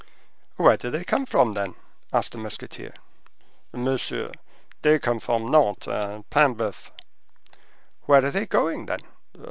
"Where do they come from, then?" asked the musketeer. "Monsieur, they come from Nantes and Paimboeuf." "Where are they going, then?"